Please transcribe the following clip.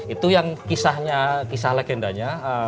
itu yang kisah legendanya